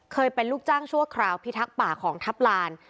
เป็นลูกจ้างชั่วคราวพิทักษ์ป่าของทัพลาน